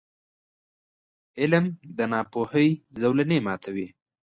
• علم، د ناپوهۍ زولنې ماتوي.